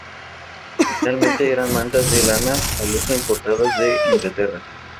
Originalmente eran mantas de lana al uso importadas de Inglaterra.